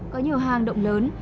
có nhiều hang động lớn